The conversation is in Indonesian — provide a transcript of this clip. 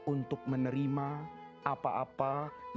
untuk menerima apa apa yang bisa aku ubah dalam hidup ini